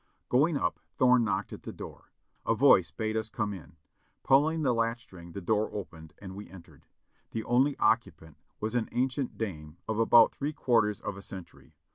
Going up, Thorne knocked at the door. A voice bade us come in. Pulling the latch string, the door opened and we entered. The only occupant was an ancient dame of about three quarters of a century.